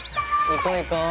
行こう行こう！